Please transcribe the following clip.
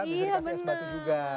bisa dikasih es batu juga